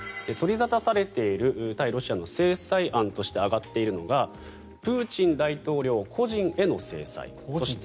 取り沙汰されている対ロシアの制裁案として挙がっているのがプーチン大統領個人への制裁。